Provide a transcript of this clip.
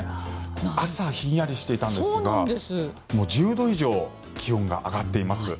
朝はひんやりしていたんですが１０度以上気温が上がっています。